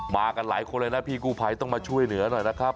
กันหลายคนเลยนะพี่กู้ภัยต้องมาช่วยเหลือหน่อยนะครับ